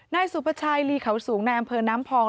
นายสุภาชัยลีเขาสูงในอำเภอน้ำพอง